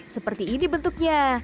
seperti ini bentuknya